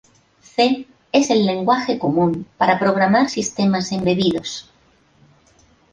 C es el lenguaje común para programar sistemas embebidos.